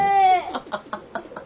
ハハハハハ。